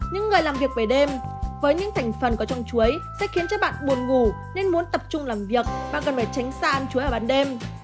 những người làm việc về đêm với những thành phần có trong chuối sẽ khiến bạn buồn ngủ nên muốn tập trung làm việc bạn cần phải tránh xa ăn chuối vào ban đêm